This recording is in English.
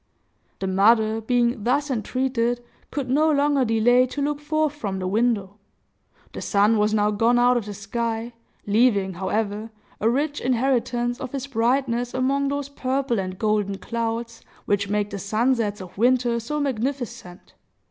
The mother, being thus entreated, could no longer delay to look forth from the window. The sun was now gone out of the sky, leaving, however, a rich inheritance of his brightness among those purple and golden clouds which make the sunsets of winter so magnificent.